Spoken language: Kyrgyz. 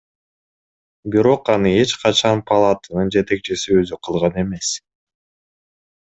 Бирок аны эч качан палатанын жетекчиси өзү кылган эмес.